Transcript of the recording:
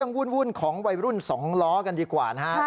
วุ่นของวัยรุ่น๒ล้อกันดีกว่านะครับ